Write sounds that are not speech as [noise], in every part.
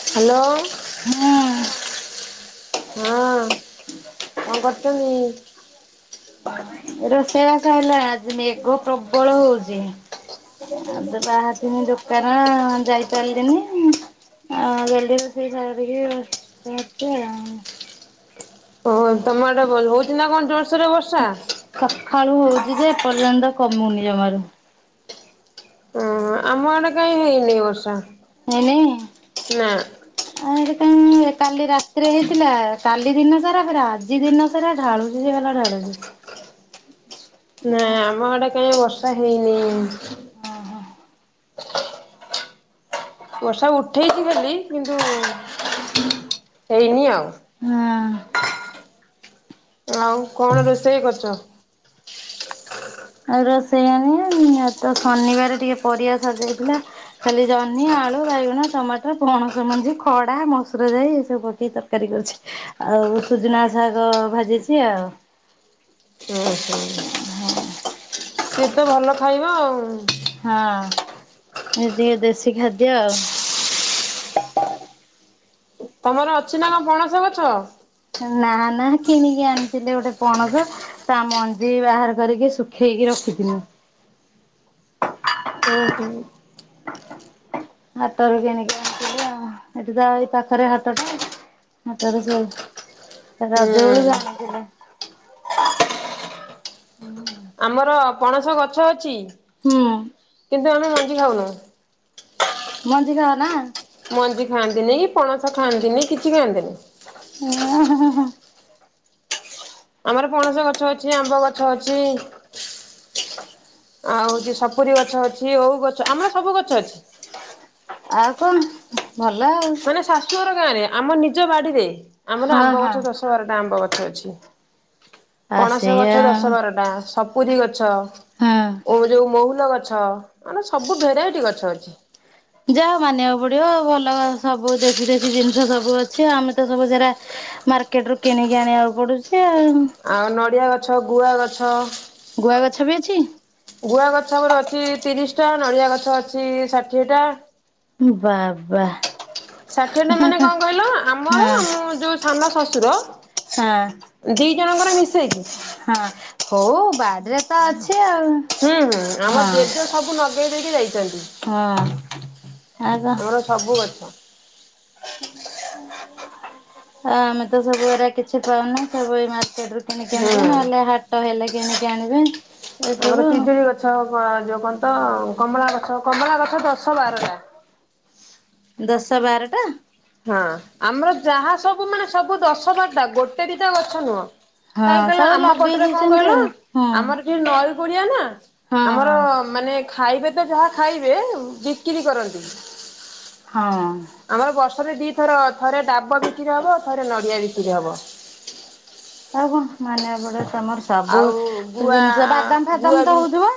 Hello. ହୁଁ ହଁ କଣ୍ କରୁଚନି? ରୋଷେଇ ବାସ ହେଲା ଆଜି ମେଘ ପ୍ରବଳ ହଉଚି। ଆଉ ତ ବାହାରିଥିଲି ଦୋକାନ ଯାଇପାଇଲିନି। [unintelligible] ଶାଗ ଟିକେ ଭାତ କରୁଚି ଆଉ। ଓ ତମ ଆଡ଼େ ଭ- ହଉଚି ନା କଣ ଜୋର୍ ସୋର୍ ରେ ବର୍ଷା? ସଖାଳୁ ହଉଚୁ ଯେ ଏପର୍ଯ୍ୟନ୍ତ କମୁନି ଜମାରୁ। ହଁ ଆମ ଆଡେ କାଇଁ ହେଇନି ବର୍ଷା। ହେଇନି? ନା। ଆ- ଏଠି କାଇଁ କାଲି ରାତିରେ ହେଇଥିଲା କାଲି ଦିନ ସାରା ପୁରା ଆଜି ଦିନ ସାରା ଢାଳୁଚି ଯେ ଗଲା ଢାଳୁଚି। ନାଁ ଆମ ଆଡେ କାଇଁ ବର୍ଷା ହେଇନି। ଓ ହ। ବର୍ଷା ଉଠେଇଚି ଖାଲି କିନ୍ତୁ ହେଇନି ଆଉ। ହଁ। ଆଉ କଣ ରୋଷେଇ କରିଚ? ଆଉ ରୋଷେଇ କଣ ଆଜି ତ ଶନିବାରେ ଟିକେ ପରିବା ସରିଯାଇଥିଲା ଖାଲି ଜହ୍ନି, ଆଳୁ, ବାଇଗଣ, ଟମାଟୋ, ପଣସ ମଞ୍ଜି, ଖଡ଼ା, ମସୁର ଜାଇ ଏସବୁ ପକେଇ ତର୍ କାରୀ କରିଚି ଆଉ ସୁଜୁନା ଶାଗ ଭାଜିଚି ଆଉ। ହୁଁ- ହୁଁ। ସିଏ ତ ଭଲ ଖାଇବା ଆଉ। ହଁ ଇଏ ଟିକେ ଦେଶୀ ଖାଦ୍ୟ ଆଉ। ତମର ଅଛି ନା କଣ ପଣସ ଗଛ? ନା ନା କିଣିକି ଆଣିଥିଲେ ଗୋଟେ ପଣସ। ତା ମଞ୍ଜି ବାହାର କରିକି ଶୁଖେଇକି ରଖିଥିଲି। ଓହୋ। ହାଟରୁ କିଣିକି ଆଣିଥିଲି ଆଉ ଏଠି ତ ଆଉ ଏଇ ପାଖରେ ହାଟ ଟା। ହାଟରୁ ସେ ରଜବେଳକୁ ଆଣିଥିଲେ। ଆମର ପଣସ ଗଛ ଅଛି। ହଁ। କିନ୍ତୁ ଆମେ ମଞ୍ଜି ଖାଉନୁ। ମଞ୍ଜି ଖାଅ ନା। ମଞ୍ଜି ଖାଆନ୍ତିନି, ପଣସ ଖାଆନ୍ତିନି କିଛି ଖାଆନ୍ତିନି। ଆଁ, ହଁ ହଁ। ଆମର ପଣସ ଗଛ ଅଛି, ଆମ୍ବ ଗଛ ଅଛି। ଆଉ ଚି ସପୁୁରୀ ଗଛ ଅଛି, ଓଉ ଗଛ ଆମର ସବୁ ଗଛ ଅଛି। ଆଉ କଣ ଭଲ ଆଉ। ଶାଶୁ ଘର ଗାଁ ରେ, ଆମ ନିଜ ବାଡିରେ ଆମର ହଁ ଆମ୍ବ ହଁ। ଗଛ ଦ ଶ ବାରଟା ଆମ୍ବ ଗଛ ଅଛି, ଆ ପଣସ ସେଇଆ ଗଛ ଦଶ ବାରଟା। ସପୁୁରୀ ଗଛ ହଁ ଓ ଯଉ ମହୁଲ ଗଛ ମାନେ ସବୁ ଭେରାଇଟି ଗଛ ଅଛି। ଯାହା ହୋଉ ମାନିବାକୁ ପଡିବ ଭଲ ସବୁ ଦେଶୀ ଦେଶୀ ଜିନିଷ ସବୁ ଅଛି, ଆମେ ତ ସବୁ ସେରା ମାର୍କେଟ ରୁ କିଣିକି ଆଣିବାକୁ ପଡୁଚି। ଆଉ ନଡ଼ିଆ ଗଛ, ଗୁଆ ଗଛ। ଗୁଆ ଗଛ ବି ଅଛି। ଗୁଆ ଗଛ ଗୁରେ ଅଛି ତିରିଶଟା, ନଡ଼ିଆ ଗଛ ଅଛି ଷାଠିଏଟା। ଏ ବାବା। ଷାଠିଏ ଟା ମାନେ କଣ କହିଲ ହଁ ଆମର, ଆମ ଯୋଉ ସାନ ଶଶୁର ସା ଦି ଜଣଙ୍କର ମିଶେଇକି। ହଁ ହଉ ବାଡିରେ ତ ଅଛି ଆଉ। ହୁଁ ହୁଁ ଆମ ହଁ ଜେଜ ସବୁ ନଗେଇ ଦେଇକି ଯାଇଛନ୍ତି, ହଁ ଆଉ କଣ ଆମର ସବୁ ଗଛ। [inaudible] ଆ ଆମେ ତ ସବୁ ଏରା କିଛି ପାଉନୁ ସବୁ ଏଇ ମାର୍କେଟ ରୁ କିଣିକି ହୁଁ ଆଣିବେ, ନହେଲେ ହାଟ ହେଲେ କିଣିକି ଆଣିବେ ଆମର ଏସବୁ। ପିଜୁଳି ଗଛ ଯଉ କନ୍ତ କମଳା ଗଛ କମଳା ଗଛ ଦଶ ବାରଟା। ଦଶ ବାରଟା। ହଁ ଆମର ଯାହା ସବୁ ମାନେ ସବୁ ଦଶ ବାର ଟା ଗୋଟେ ଦିଟା ଗଛ ନୁହଁ। ହଁ କାଇହିଁ କହିଲ ସବୁ ଆମ ଲଗେଇ ପଟରେ କଣ ଦେଇଛନ୍ତି କହିଲ ଆଉ ହଁ ଆମର ସେ ନଈ କୁଳଆ ନା ହଁ ଆମର ହଁ ମାନେ ଖାଇବେ ତ ଯାହା ଖାଇବେ, ବିକିରି କରନ୍ତି। ହଁ। ଆମର ବର୍ଷରେ ଦିଥର ଥରେ ଡାବ ବିକ୍ରି ହବ, ଥରେ ନଡିଆ ବିକ୍ରି ହବ। ଆଉ କଣ ମାନିଆକୁ ପଡ଼ିବ ତମର ସବୁ ଆଉ ଗୁଆ ଜିନିଷ, ବାଦାମ ଗୁଆ ଫାଦାମ ତ ବି ହଉଥିବ?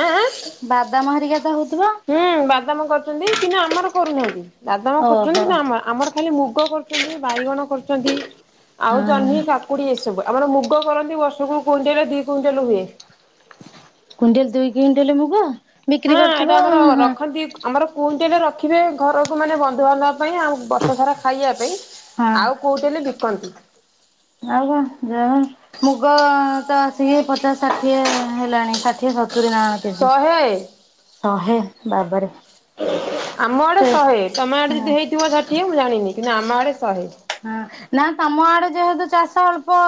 ଆଁ ଆଁ ବାଦାମହେରିକା ତ ହଉଥିବ? ହୁଁ ବାଦାମ କରୁଛନ୍ତି, କି ନା ଆମର କରୁନାହାନ୍ତି, ବାଦାମ କରୁଛନ୍ତି ଓହୋ କି ନା ଆମ ଆମର ଖାଲି ମୁଗ କରୁଛନ୍ତି, ବାଇଗଣ କରୁଛନ୍ତି, ଆଉ ହଁ ଜହ୍ନି କା କୁଡ଼ି ଏସବୁ ଆମର ମୁଗ କରନ୍ତି ବର୍ଷ କୁ କୁଇଣ୍ଟାଲ ଦି କୁଇଣ୍ଟାଲ୍ ହୁଏ। କୁଇଣ୍ଟାଲ ଦୁଇ କ୍ୱଇଣ୍ଟାଲ ମୁଗ? ବିକ୍ରି ହଁ କରୁଥିବ ଏଇଟା ଆମର ହଁ ରଖନ୍ତି। ଆମର କୁଇଣ୍ଟେଲ ରଖିବେ ଘରକୁ ମାନେ ବନ୍ଧୁବାନ୍ଧବ ପାଇଁ ଆଉ ବର୍ଷ ସାରା ଖାଇବା ପାଇଁ, ହଁ ଆଉ କୁଇଟେଲେ ବିକନ୍ତି। ଆଉ କଁ ଯା ହୋଉ ମୁଗ ତ ଆସିକି ପଚାଶ ଷାଠିଏ ହେଲାଣି ଷାଠିଏ ସ ସତୁରି ନାକଣ କେଜି ଶହେ ଶହେ ବାବରେ। ଆମ ଆଡ଼େ ଶହେ ତମେ ଆଡ଼େ ହଁ ଯଦି ହେଇଥିବ ସାଠିଏ ମୁଁ ଜାଣିନି କିନ୍ତୁ ଆମ ଆଡ଼େ ଶହେ। ହଁ ନା ତମ ଆଡ଼େ ଯେହେତୁ ଚାଷ ଅଳ୍ପ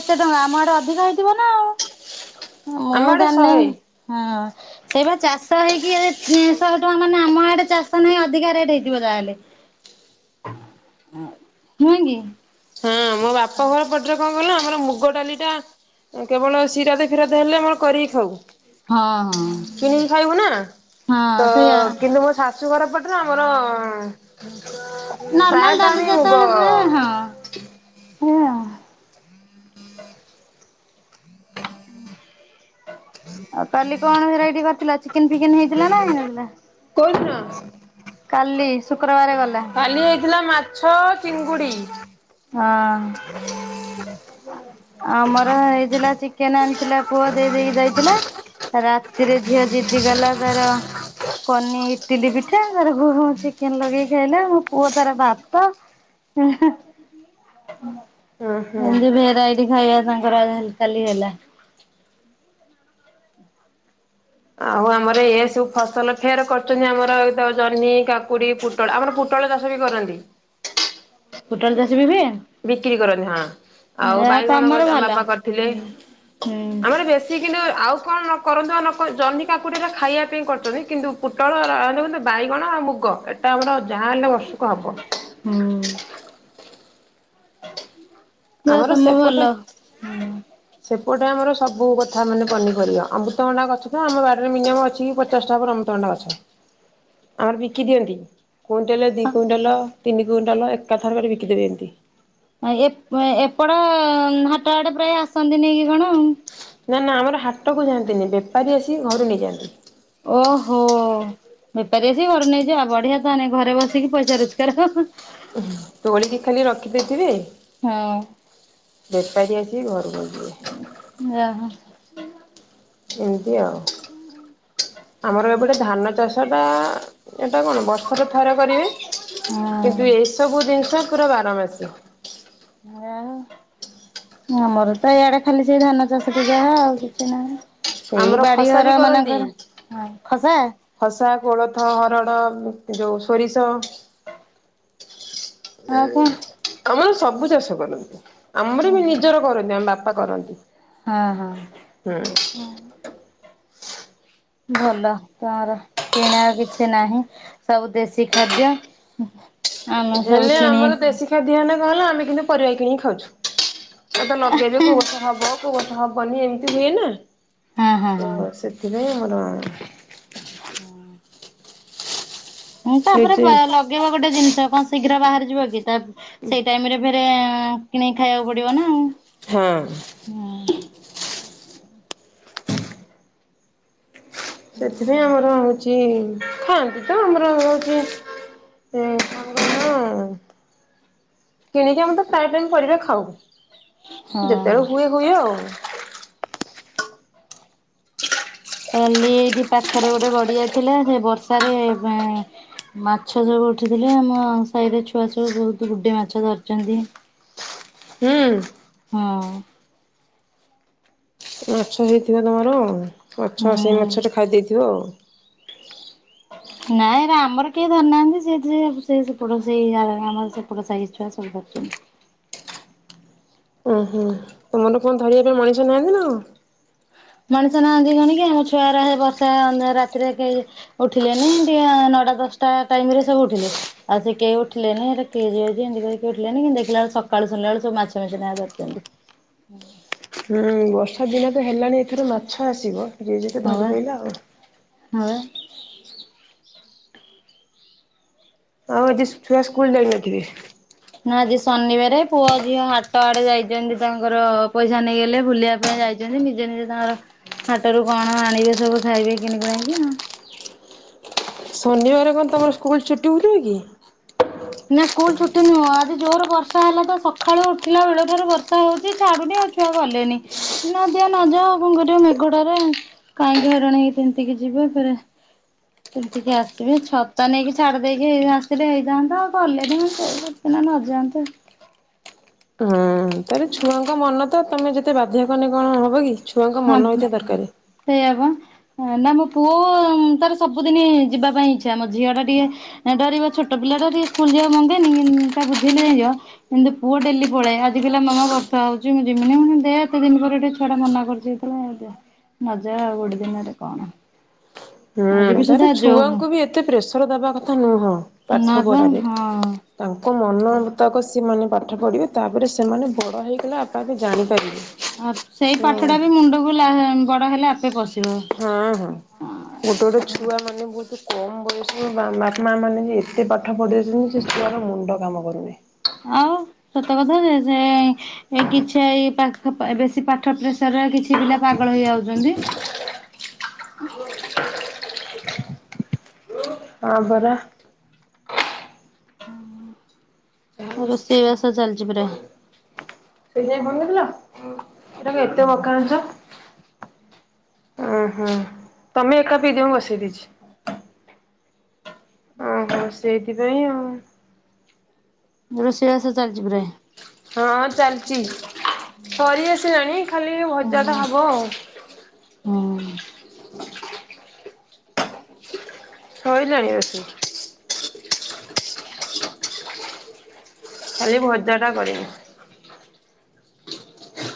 ଏତେ ଟଙ୍କା ଆମ ଆଡ଼େ ଅଧିକ ହେଇଥିବନା ଆଉ। [inaudible] ମୁଁ ଆଡେ ଜାଣିନେଇ ଶହେ ହଁ। ସେଇବା ଚାଷ ହେଇକି ଶହେ ଟଙ୍କା ମାନେ ଆମ ଆଡ଼େ ଚାଷ ନାହିଁ ଅଧିକା ରେଟ୍ ହେଇଥିବ ଯାହାହେଲେ। ନୁହେଁକି। ହଁ ମୋ ବାପାଘର ପ ରେ କଣ କହିଲ ଆମର ମୁଗ ଡ଼ାଲିଟା କେବଳ ସିରାଦ ଫିରାଦ ହେଲେ ଆମର କରିକି ଖାଉ ହଁ ହଁ କିଣିକି ଖାଇବୁନା ହଁ ତ ସେଇଆ କିନ୍ତୁ ମୋ ଶାଶୁ ଶାଶୁଘର ପଟରେ ଆମର ନର୍ମାଲ ପ୍ରାୟତଃ ଡାଲି ଆମେ ମୁଗ ଯେତେବେଳେ ହୁଏ ହଁ। ଆଉ କାଲି କଣ ଭେରାଇଟି କରିଥିଲ ଚି ଚିକେନ୍ ଫିକେନ୍ ହେଇଥିଲାନା ହେଇନଥିଲା? କୋଉଦିନ? କାଲି? ଶୁକ୍ରବାର ଗଲା କାଲି ହେଇଥିଲା ମାଛ ଚିଙ୍ଗୁଡ଼ି। ହଁ। ଆମର ହେଇଥିଲା ଚିକେନେ ଆଣିଥିଲା ପୁଅ ଦେଇ ଦେଇକି ଯାଇଥିଲା। ରାତିରେ ଝିଅ ଜିଦି କଲା ତାର କନି ଇଟିଲି ପିଠା ତାର ଚିକେନ ଲଗେଇ ଖାଇଲା ମୋ ପୁଅ ତାର ଭାତ ହୁଁ ହୁଁ। ଏମତି ଭେରାଇଟି ଖାଇବା ତାଙ୍କରା କାଲି ହେଲା। ଆଉ ଆମର ଏଇଆ ସବୁ ଫସଲ ଫେର କରୁଚନ୍ତି ଆମର ଏଇତ ଜହ୍ନି କା କାକୁଡ଼ି ପୁଟଳ ଆମର ପୁଟଳ ଚାଷବି କରନ୍ତି। ପୁଟଳ ଚାଷବି ହୁଏ? ବିକ୍ରି କରନ୍ତି ହଁ ଆଉ ଯା ବାଇଗଣ ତମର ଗଛ ଆମ ଭଲ। ବାପା କରିଥିଲେ ହୁଁ ହୁଁ ଆମର ବେଶୀ ସେ କିନ୍ତୁ ଆଉ କଣ ନକରନ୍ତୁ ଆ ଜହ୍ନ କାକୁଡ଼ି ଅରା ଖାଇବା ପାଇଁ କରୁଚନ୍ତି। କିନ୍ତୁ ପୁଟଳ ନାକଣତ ବାଇଗଣ ଆଉ ମୁଗ ଏଟା ଆମର ଯାହା ହେଲେବି ବର୍ଷକୁ ହବ। ହୁଁ ଯା ଆମର ତମେ ସେପଟେ ଭଲ। ସେପଟେ ଆମର ସବୁ କଥା ମାନେ ପନିପରିବା ଅମୃତକଣ୍ଡା ଗଛତ ଆମ ବାଡ଼ିରେ ମିନିମମ୍ ଅଛି ପଚି ପଚାଷେଟା ଆମତଣ୍ଡା ଗଛ ଆମର ବିକି ଦିଅନ୍ତି। କୁଇଣ୍ଟେଲେ ଦି କୁଇଣ୍ଟାଲ ତିନି କୁଇଣ୍ଟାଲ ଏକାଥର କରି ବିକିଦେବେ ଏମିତି। ଆ ଏପ୍ ଏପଟ ହାଟ ଆଡ଼େ ପ୍ରାୟ ଆସନ୍ତି ନେଇକି କଣ ଆଉ? ନା ନା ଆମର ହାଟକୁ ଯାଆନ୍ତିନି ବେପାରୀ ଆସି ଘରୁ ନେଇଯାଆନ୍ତି। ଓହୋ। ବେପାରୀ ଆସି ଘରୁ ନେଇଯିବ ଆଉ ବଢିଆ ତାଆନେ ଘରେ ବସିକି ପଇସା ରୋଜକାର। ଉ ତୋଳିକି ଖାଲି ରଖିଦେଇଥିବେ ହଁ। ବେପାରୀ ଆସିକି ଘରୁ ନେଇ ଓହୋ। ଏମିତି ଆଉ। ହୁଁ ହୁଁ। ଆମର ଏପଟେ ଧାନ ଚାଷ ଟା ଏଇଟା କଣ ବର୍ଷର ଥର କରିବେ ହଁ। କିନ୍ତୁ ଏଇସବୁ ଜିନିଷ ପୁରା ବାରମାସୀ। ଯାହୋଉ। ଆମର ତ ଇଆଡେ ଖାଲି ସେ ଧାନ ଚାଷଟି ଯାହା, ଆଉ କିଛି ନାହିଁ। ସେଇ ଆମର ବାଡି ଖସା ବି ଘର କରନ୍ତି। ମାନଙ୍କର ଖସା ଖସା, କୋଳଥ, ହରଡ଼, ଯୋଉ ସୋରିଷ। ଆଉ କଣ? ଆମର ସଵୁ ଚାଷ କରନ୍ତି। ଆମର ବି ନିଜର କରନ୍ତି, ଆମ ବାପା କରନ୍ତି। ହଁ ହୁଁ, ହଁ। [inaudible] ଭଲ ତୋମର କିଣା କିଛି ନାହିଁ। ସବୁ ଦେଶୀ ଖାଦ୍ୟ। ଆମେ ସବୁ ହେଲେ, ଆମର କିଣିକି ଦେଶୀ ଖାଦ୍ୟ ହେନେ କଣ ହେଲା, ଆମେ କିନ୍ତୁ ପରିବା କିଣିକି ଖାଉଛୁ। ଏ ତ ଲଗେଇବେ, କୋଉ ବର୍ଷ ହବ, କୋଉ ବର୍ଷ ହବନି। ଏମିତି ହୁଏ ନା। ହଁ ହଁ ହଁ। କେବଳ ସେଥିପାଇଁ ଆମର [unintelligible] ହଁ, ତାପରେ ନିଜେ ବ-ଲଗେଇବ ଗୋଟେ ଜିନିଷ କଣ ଶୀଘ୍ର ବାହାରିଯିବ କି? ତାର ସେଇ ଟାଇମ୍ ରେ ବି ତେ କିଣିକି ଖାଇବାକୁ ପଡିବ ନା। ହଁ। ନା। ସେଥିପାଇଁ ଆମର ହଉଛି ଖାଆନ୍ତି ତ, ଆମର ହଉଚି ସେ କଣ କହିଲ? କିଣିକି ଆମେ ତ ପ୍ରାୟ ଟାଇମ୍ ପରିବା ଖାଉ। ହଁ ଯେତେବେଳେ ହୁଏ, ହୁଏ ଆଉ। କାଲି ଏଇଠି ପାଖରେ ଗୋଟେ ଗଡିଆ ଥିଲା। ସେ ବର୍ଷାରେ ପା ମାଛ ସଵୁ ଉଠିଥିଲେ, ଆମ ସାହିରେ ଛୁଆ ସବୁ ବହୁତ ଗୁଡେ ମାଛ ଧରିଛନ୍ତି। ହୁଁ। ହଁ। ମାଛ ହେଇଥିବ ତୋମର। ମାଛ ସେ ହୁଁ। ମାଛଟା ଖାଇ ଦେଇଥିବ ଆଉ। ନାଇଁ, ଏରା ଆମର କେହି ଧରିନାହାନ୍ତି। ସେଇଥିରେ, ସେ ସେପଟ, ସେଇ ଆର ଆମର ସେପଟ ସାହି ଛୁଆ ସବୁ ଧରିଛନ୍ତି। ଓହୋ, ତୋମର କଣ ଧରିବା ପାଇଁ ମଣିଷ ନାହାନ୍ତି ନା କଣ? ମଣିଷ ନାହାନ୍ତି କଣ କି? ଆମ ଛୁଆ ଗୁରା ହେ ବର୍ଷା ଅନ୍ଧାର ରାତିରେ କେଇ ଉଠିଲେନି, ଟିକେ ନଅଟା, ଦଶଟା ଟାଇମ୍ ରେ ସବୁ ଉଠିଲେ। ଆଉ ସେ କେଇ ଉଠିଲେନି। ଏଟା କିଏ ଯିବ ଯେ, ଏମତି କହି କିଏ ଉଠିଲେନି। କିନ୍ତୁ ଦେଖିଲା ବେଳୁ, ସକାଳୁ ଶୁଣିଲାବେଳୁ ସବୁ ମାଛ ମେଞ୍ଚେ ନେଖା ଧରିଛନ୍ତି। ହୁଁ, ବର୍ଷା ଦିନ ତ ହେଲାଣି, ଏଥର ମାଛ ଆସିବ। ଯିଏ ଯେତେ ହଁ ବା ଧରି ପାଇଲା ଆଉ। ହଁ, ବା। ଆଉ, ଆଜି ଛୁଆ ସ୍କୁଲ୍ ଯାଇନଥିବେ? ନା ଆଜି ଶନିବାରେ, ପୁଅ ଝିଅ ହାଟ ଆଡେ ଯାଇଚନ୍ତି। ତାଙ୍କର ପଇସା ନେଇଗଲେ, ବୁଲିବା ପାଇଁ ଯାଇ ଚନ୍ତି, ନିଜେ ନିଜେ ତାଙ୍କର ହାଟରୁ କଣ ଆଣିବେ ସବୁ ଖାଇବେ କିଣି କୁଣାକି ଆଉ। ଶନିବାର କଣ ତୋମର ସ୍କୁଲ୍ ଛୁଟି ହଉଥିଲା କି? ନା ସ୍କୁଲ୍ ଛୁଟି ନୁହଁ, ଆଜି ଜୋର ବର୍ଷା ହେଲା, ତ ସକାଳୁ ଉଠିଲା ବେଳଠାରୁ ବର୍ଷା ହଉଚି ଛାଡୁନି ଆଉ ଛୁ ଛୁଆ ଗଲେନି। ନ ଦିଅ, ନ ଯାଅ, ଆଉ କଣ କରିବ, ମେଘଟାରେ। କାହିଁକି ହଇରାଣ ହେଇକି ତିନ୍ତିକି ଯିବେ ଫେରେ ତିନ୍ତିକିି ଆସିବେ। ଛତା ନେଇକି ଛାଡ଼ି ଦେଇକି ଆସିଥିଲେ, ହେଇଥାନ୍ତା। ଗଲେନି ହଁ ସେ ଗୋଟ ଦିନ ନଯାଆନ୍ତେ। ହୁଁ ତାରେ ଛୁଆଙ୍କ ମନ ତ, ତୋମେ ଯେତେ ବାଧ୍ୟ କନେ କଣ ହବ କି? ଛୁଆଙ୍କ ହଁ, ମନ ହେଇଥିବା ଦରକାର। ସେଇଆ ଵା। ହଁ ନା, ମୋ ପୁଅ ତାର ସବୁଦିନି ଯିବା ପାଇଁ ଇଚ୍ଛା। ମୋ ଝିଅ ଟା ଟିକେ ଏଁ ଡରିବ, ଛୋଟ ପିଲା ଟା ଟିକେ ସ୍କୁଲ୍ ଯିବା ମଙ୍ଗେନି। କିନ୍ ତା ବୁଝେଇଲେ ଯାଇ ଯିବ। କିନ୍ତୁ ପୁଅ ଡେଲି ପଳାଏ। ଆଜି ପିଲା ମାମା ବର୍ଷା ହଉଛି, ମୁଁ ଯମିନି। ମୁଁ ଦେ ଏତେ ଦିନ ପରେ ଛୁଆ ଟା ମନା କରୁଚି ସେଇଥି ପାଇଁ ଆଗୁଆ ନଜା ଆଉ ଗୋଟେ ଦିନରେ କଣ ହୁଁ ଆଜି ବି ତାର ସୁଧା ଯୋଉ ଛୁଆଙ୍କୁ ବି ଏତେ ପ୍ରେସର ଦବା କଥା ନୁହଁ ନା ପାଠ ବା ପଢାରେ ହଁ ତାଙ୍କ ମନ ମୁତାକ ସିମାନେ ପାଠ ପଢ଼ିବେ ତାପରେ ସେମାନେ ବଡ଼ ହେଇଗଲେ ଆପା ଆପେ ଜାଣିପାରିବେ। ସେଇ ହଁ ପାଠଟା ବି ମୁଣ୍ଡକୁ ଲା ବଡ ହେଲେ ଆପେ ପଶିବ। ଉଁ ହୁଁ। ଗୋଟେ ଗୋଟେ ଛୁଆ ମାନେ ବହୁତ କମ ବୟସ ବାପା ମାନେ ଏତେ ପା ପାଠ ପଢ଼ି ଆସଛନ୍ତି ସେ ଛୁଆର ମୁଣ୍ଡ କାମ କରୁନି। ଆଉ ସତ କଥା ଯେ ସେ ଏ କିଛି ଏଇ ପାଖ ବେଶୀ ପାଠ ପ୍ରେସର କିଛି ପିଲା ପାଗଳ ହେଇ ଯାଉଛନ୍ତି। ହଁ ବରା। ରୋଷେଇବାସ ଚାଲିଛି ପୁରା ସେ ଯାଇ ଫୋନ କରିଥିଲହୁଁ ଏଟା କମଏତେ ମକା ଆଣିଚ ଓ ହଁ ତମେ ଏକା ପିଦିଅ ମୁ ବସେଇ ଦେଇଛି। ହ ସେଇଥିପାଇଁ ଆଉ। ରୋଷେଇବାସ ଚାଲିଛି ପୁରାଇ ହଁ ଚାଲିଛି ସରି ଆସିଲାଣି ଖାଲି ଏଇ ଭଜାଟା ହୁଁ ହବ ଆଉ। ହୁଁ। [inaudible] ସଇ ଲାଣି ଆସି। ଖାଲି ଭଜା ଟା କରିବୁ।